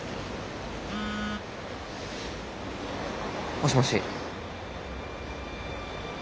もしもし。